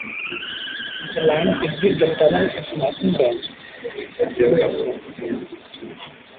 The lines exit the tunnel at Mockingbird.